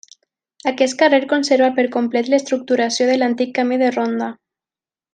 Aquest carrer conserva per complet l'estructuració de l'antic camí de ronda.